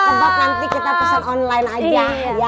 kalau kebab nanti kita pesan online aja ya